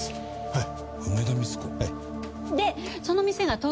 はい。